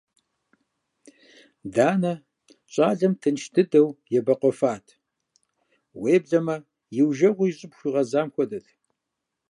Данэ щӀалэм тынш дыдэу ебэкъуэфат, уеблэмэ иужэгъуу и щӀыб хуигъэзам хуэдэт.